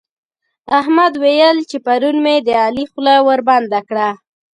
احمد ويل چې پرون مې د علي خوله وربنده کړه.